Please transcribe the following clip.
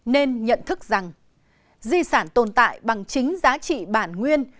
nên nhận thức rằng di sản tồn tại bằng chính giá trị bản nguyên